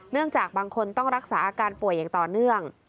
จากบางคนต้องรักษาอาการป่วยอย่างต่อเนื่อง